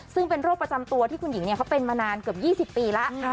ซึ่งเป็นโรคประจำตัวที่คุณหญิงเขาเป็นมานานเกือบ๒๐ปีแล้ว